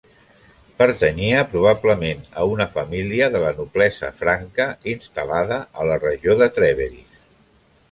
Pertanyia probablement a una família de la noblesa franca instal·lada a la regió de Trèveris.